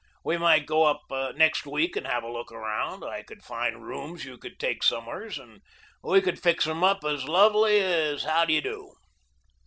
We might go up next week and have a look around. I would find rooms you could take somewheres, and we would fix 'em up as lovely as how do you do."